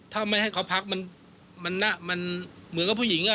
ถ้าไม่ให้เขาพักมันเหมือนกับผู้หญิง